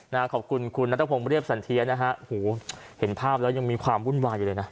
ขอบคุณคุณนัทพงศ์เรียบสันเทียนะฮะหูเห็นภาพแล้วยังมีความวุ่นวายอยู่เลยนะ